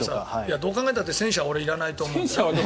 どう考えたって戦車はいらないと思うけど。